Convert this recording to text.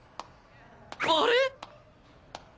あれ！？